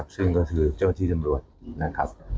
ซึ่งก็คือเจ้าที่จำรวจนะครับ